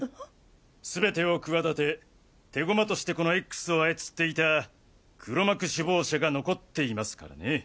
全てを企て手駒としてこのＸを操っていた黒幕首謀者が残っていますからね。